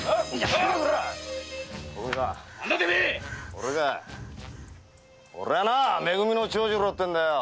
俺か俺はめ組の長次郎ってんだよ。